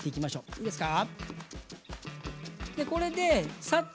いいですか。